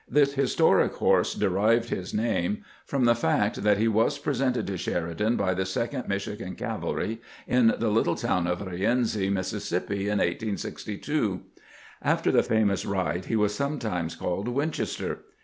This historic horse derived his name from the fact that he was presented to Sheri dan by the Second Michigan Cavalry in the little town of Rienzi, Mississippi, in 1862. After the famous ride he was sometimes called "Winchester."